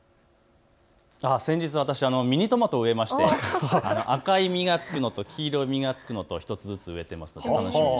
先日、私はミニトマトを植えて赤い実がつくのと黄色い実がつくのを１つずつ植えています。